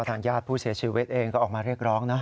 ทางญาติผู้เสียชีวิตเองก็ออกมาเรียกร้องนะ